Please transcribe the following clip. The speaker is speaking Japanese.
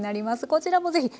こちらもぜひ。